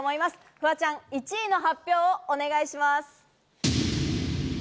フワちゃん、１位の発表をお願いします。